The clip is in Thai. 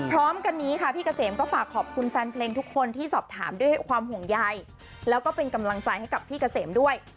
พร้อมกันนี้ค่ะพี่เกษมก็ฝากขอบคุณแฟนเพลงทุกคนที่สอบถามด้วยความห่วงใยแล้วก็เป็นกำลังใจให้กับพี่เกษมด้วย